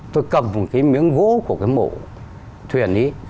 tôi cầm một cái miếng gỗ của cái mộ thuyền ấy